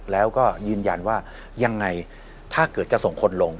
แล้วก็ยืนยันว่ายังไงถ้าเกิดจะส่งคนลง